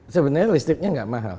sebenarnya listriknya enggak mahal